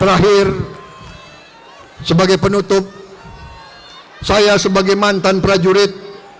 terakhir sebagai penutup saya sebagai mantan prajurit